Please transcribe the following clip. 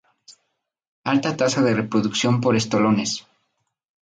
Alta tasa de reproducción por estolones.